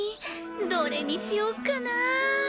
どれにしよっかな？